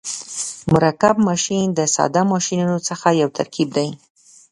مرکب ماشین د ساده ماشینونو څخه یو ترکیب دی.